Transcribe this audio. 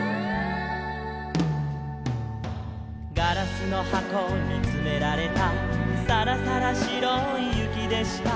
「ガラスのはこにつめられた」「さらさらしろいゆきでした」